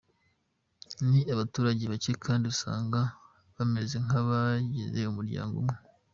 Ni abaturage bake kandi usanga bameze nk’abagize umuryango umwe.